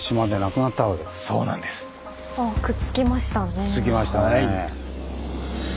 くっつきましたね。